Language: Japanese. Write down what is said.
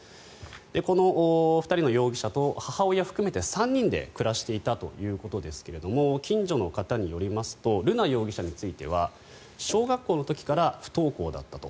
この２人の容疑者と母親含めて３人で暮らしていたということですが近所の方によりますと瑠奈容疑者については小学校の時から不登校だったと。